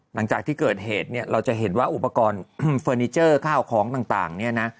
หลังจากที่เกิดเหตุเนี่ยเราจะเห็นว่าอุปกรณ์เฟอร์นิเจอร์ข้าวของต่างเนี่ยนะ